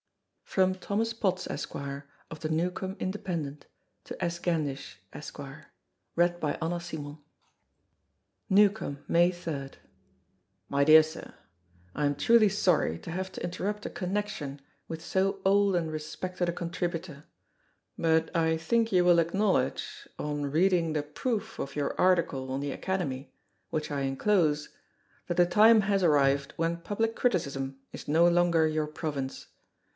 ...From Thomas Potts, Esq., of the 'Newcome Independent,' to S. Gandish, Esq. Newcome, May 3. MY DEAR SIR,—I am truly sorry to have to interrupt a connection with so old and respected a contributor. But I think you will acknowledge, on reading the proof of your article on the Academy, which I enclose, that the time has arrived when public criticism is no longer your province.